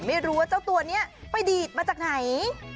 ไม่รู้ว่าเจ้าตัวนี้ไปดีดมาจากไหน